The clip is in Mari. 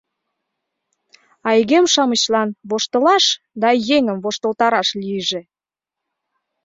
А игем-шамычлан воштылаш да еҥым воштылтараш лийже...